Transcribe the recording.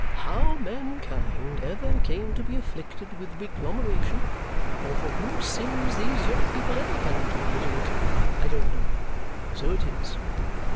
How mankind ever came to be afflicted with wiglomeration, or for whose sins these young people ever fell into a pit of it, I don't know; so it is."